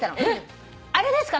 あれですかね？